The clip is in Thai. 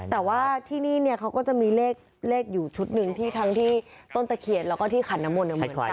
แต่ว่าที่นี่เนี่ยเขาก็จะมีเลขอยู่ชุดหนึ่งที่ทั้งที่ต้นตะเคียนแล้วก็ที่ขันน้ำมนต์เหมือนกัน